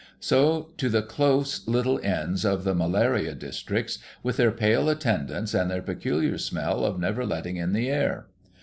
So to the close little Inns of the Malaria districts, with their pale attendants, and their peculiar smell of never letting in the air.